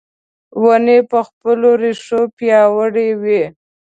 ونې په خپلو رېښو پیاوړې وي .